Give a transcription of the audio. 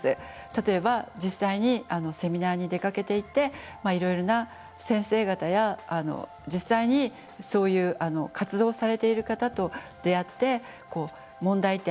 例えば実際にセミナーに出かけていっていろいろな先生方や実際にそういう活動をされている方と出会って問題点